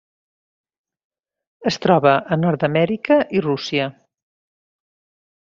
Es troba a Nord-amèrica i Rússia.